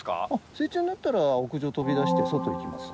成虫になったら屋上飛び出して外行きます。